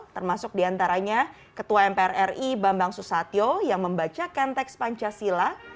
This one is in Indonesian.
termasuk diantaranya ketua mpr ri bambang susatyo yang membacakan teks pancasila